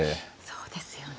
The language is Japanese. そうですよね。